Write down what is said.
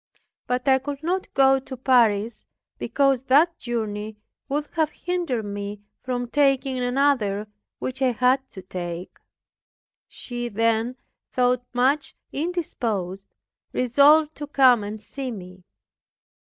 But I could not go to Paris, because that journey would have hindered me from taking another, which I had to take. She then, though much indisposed, resolved to come and see me.